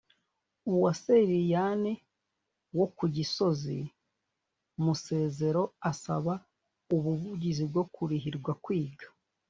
Uwase Liliane wo ku Gisozi Musezero asaba ubuvugizi bwo kurihirwa kwiga